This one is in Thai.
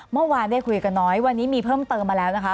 เมื่อวานได้คุยกันน้อยวันนี้มีเพิ่มเติมมาแล้วนะคะ